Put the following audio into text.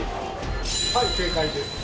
はい正解です。